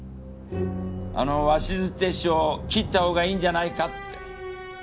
あの鷲津って秘書を切ったほうがいいんじゃないかって。